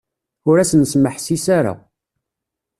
Ur asen-smeḥsis ara.